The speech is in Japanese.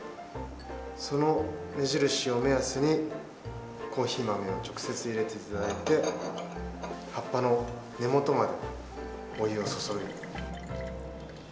その目印を目安に、コーヒー豆を直接いれていただいて、葉っぱの根元までお湯を注ぐ。